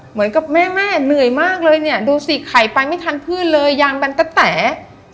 เหมือนกับแม่แม่เหนื่อยมากเลยเนี่ยดูสิไข่ไปไม่ทันพืชเลยยางแบนตะแต๋